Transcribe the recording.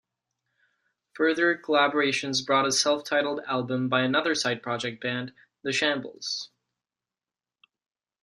Further collaborations brought a self-titled album by another side-project band, The Shambles.